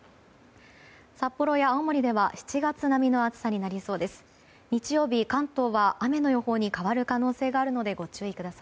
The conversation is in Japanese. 札幌や青森では７月並みの暑さになりそうです。